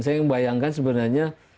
saya bayangkan sebenarnya